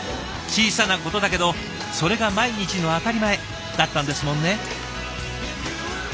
小さなことだけどそれが毎日の当たり前だったんですもんね。